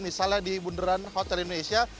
misalnya di bundaran hotel indonesia